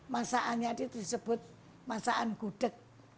masa anjadit disebut masaan gudek